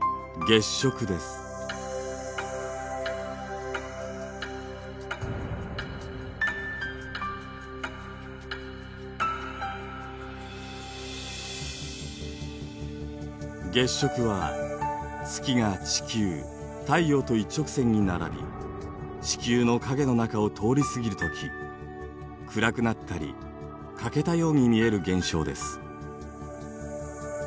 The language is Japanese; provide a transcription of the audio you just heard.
月食は月が地球太陽と一直線に並び地球の影の中を通り過ぎる時暗くなったり欠けたように見える現象です。